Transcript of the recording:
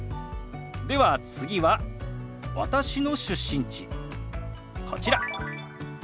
では次は私の出身地こちら。